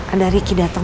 ada ricci datang